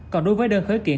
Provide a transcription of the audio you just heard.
còn đối với đơn khởi kiện